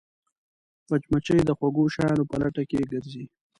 مچمچۍ د خوږو شیانو په لټه کې ګرځي